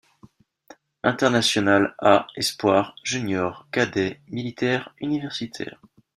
International A', Espoirs, Juniors, Cadets, Militaire, Universitaire.